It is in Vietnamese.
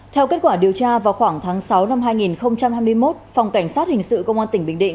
theo kết quả điều tra vào khoảng tháng sáu năm hai nghìn hai mươi một phòng cảnh sát hình sự công an tỉnh bình định